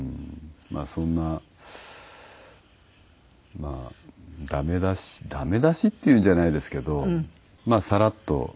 まあそんなダメ出しダメ出しっていうんじゃないですけどまあさらっと。